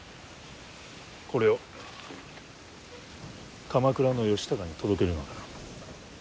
これを鎌倉の義高に届けるのだ。